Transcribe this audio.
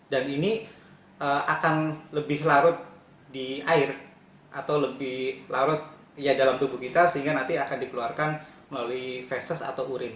dan ini akan lebih larut di air atau lebih larut ya dalam tubuh kita sehingga nanti akan dikeluarkan melalui fesis atau urin